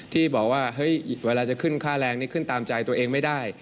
ที่บอกว่าเฮ้ยเวลาจะขึ้นค่าแรงนี้ขึ้นตามใจตัวเองไม่ได้